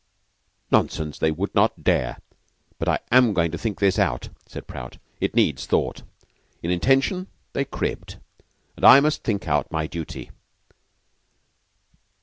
"Nonsense! They would not dare but I am going to think this out," said Prout. "It needs thought. In intention they cribbed, and I must think out my duty."